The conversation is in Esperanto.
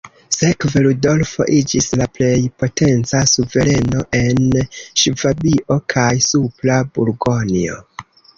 Sekve Rudolfo iĝis la plej potenca suvereno en Ŝvabio kaj Supra Burgonjo.